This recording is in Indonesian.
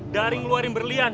dari ngeluarin berlian